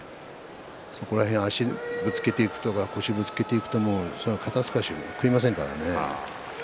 そこら辺、足をぶつけていくとか腰をぶつけていくと肩すかしも食いませんからね。